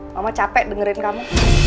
mama capek dengerin kamu